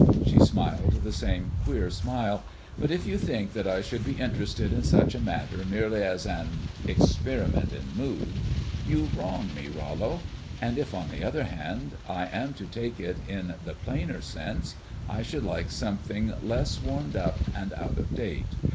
She smiled the same queer smile. "But if you think that I should be interested in such a matter merely as an experiment in mood you wrong me, Rollo; and if, on the other hand, I am to take it in the plainer sense, I should like something less warmed up and out of date.